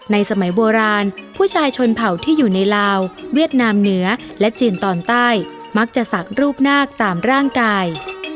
สมัยโบราณผู้ชายชนเผ่าที่อยู่ในลาวเวียดนามเหนือและจีนตอนใต้มักจะสักรูปนาคตามร่างกาย